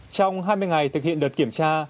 trong hai mươi ngày thực hiện đợt kiểm tra